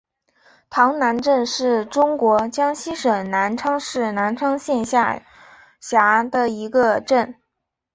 塘南镇是中国江西省南昌市南昌县下辖的一个镇。